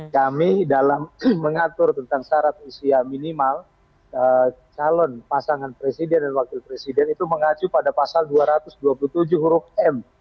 kami dalam mengatur tentang syarat usia minimal calon pasangan presiden dan wakil presiden itu mengacu pada pasal dua ratus dua puluh tujuh huruf m